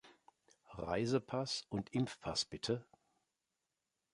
Reisepass und Impfpass bitte.